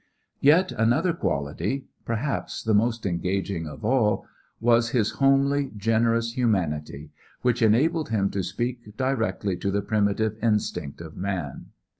Yet another quality perhaps the most engaging of all was his homely, generous humanity which enabled him to speak directly to the primitive instinct of man.